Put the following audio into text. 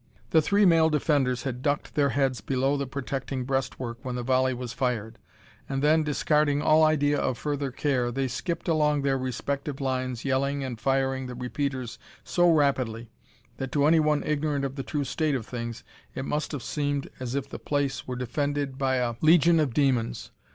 The three male defenders had ducked their heads below the protecting breast work when the volley was fired, and then, discarding all idea of further care, they skipped along their respective lines, yelling and firing the repeaters so rapidly, that, to any one ignorant of the true state of things, it must have seemed as if the place were defended by a legion of demons.